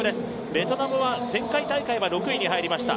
ベトナムは前回大会６位に入りました。